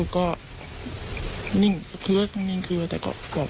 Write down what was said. ก็เคลือคุยดีกับลูก